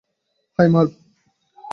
High, মার্ভ।